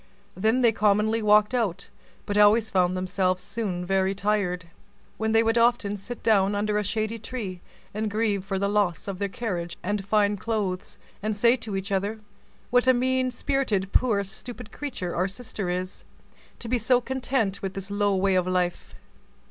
Then they commonly walked out, but always found themselves very soon tired; when they would often sit down under a shady tree, and grieve for the loss of their carriage and fine clothes, and say to each other, "What a mean spirited, poor stupid creature our young sister is, to be so content within this low way of life!"